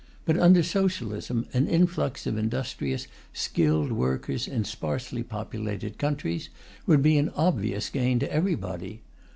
But under Socialism an influx of industrious, skilled workers in sparsely populated countries would be an obvious gain to everybody.